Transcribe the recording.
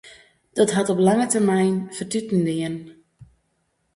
Dat hat op lange termyn fertuten dien.